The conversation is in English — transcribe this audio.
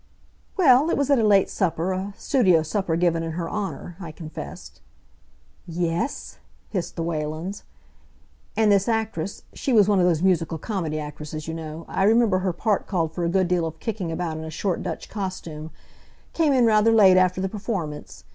"Well, it was at a late supper a studio supper given in her honor," I confessed. "Yes s s s," hissed the Whalens. "And this actress she was one of those musical comedy actresses, you know; I remember her part called for a good deal of kicking about in a short Dutch costume came in rather late, after the performance.